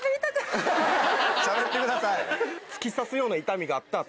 ・しゃべってください